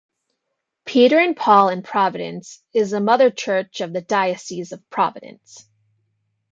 Peter and Paul in Providence is the mother church of the diocese of Providence.